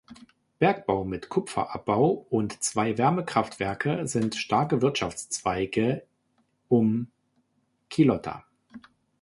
Bergbau mit Kupferabbau und zwei Wärmekraftwerke sind starke Wirtschaftszweige um Quillota.